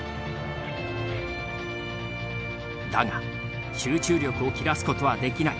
だが集中力を切らすことはできない。